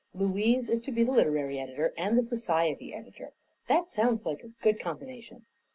Louise is to be the literary editor and the society editor. That sounds like a good combination."